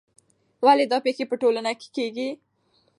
ولې دا پېښې په ټولنه کې کیږي؟